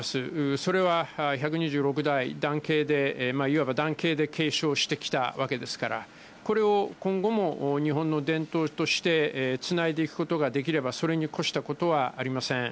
それは１２６代、男系で、いわば男系で継承してきたわけですから、これを今後も日本の伝統としてつないでいくことができれば、それに越したことはありません。